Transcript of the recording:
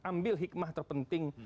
ambil hikmah terpenting